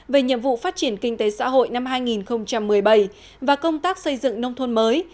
về nhiệm vụ phát triển kinh tế xã hội năm hai nghìn một mươi bảy và công tác xây dựng nông thôn mới